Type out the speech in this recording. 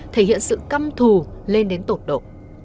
thể hiện sự căm thù lên đến tột độ